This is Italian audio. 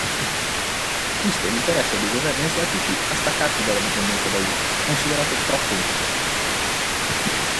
Visto l'interesse dei governi asiatici a staccarsi dalla dipendenza da Windows considerato troppo insicuro.